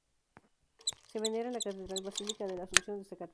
Se venera en la Catedral Basílica de la Asunción de Zacatecas.